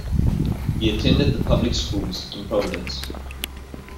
He attended the public schools in Providence.